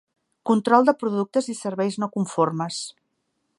Control de productes i serveis no conformes.